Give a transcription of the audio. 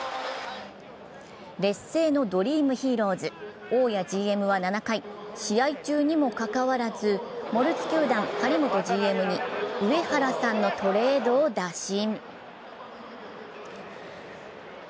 劣勢のドリームヒーローズ、大矢ＧＭは７回、試合中にもかかわらず、モルツ球団・張本ＧＭに上原さんのトレードを打診。